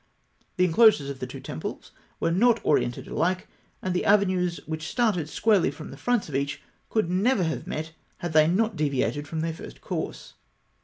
The enclosures of the two temples were not oriented alike, and the avenues which started squarely from the fronts of each could never have met had they not deviated from their first course.